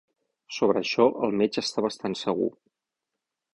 Sobre això, el metge està bastant segur.